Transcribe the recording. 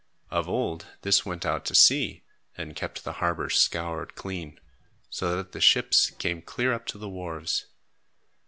Of old, this went out to sea and kept the harbor scoured clean, so that the ships came clear up to the wharves.